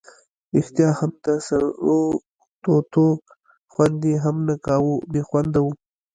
ریښتیا هم د سرو توتو خوند یې هم نه کاوه، بې خونده وو.